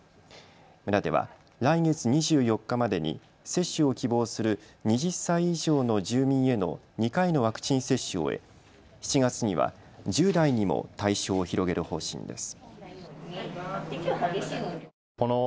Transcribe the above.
村では来月２４日までに接種を希望する２０歳以上の住民への２回のワクチン接種を終え７月には１０代にも対象を広げる方針です。